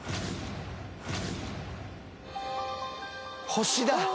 星だ！